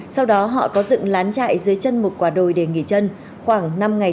sau đó họ có dựng lán chạy dưới chân một quả đồi để nghỉ chân